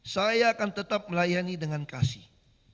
saya akan tetap melayani dengan kasih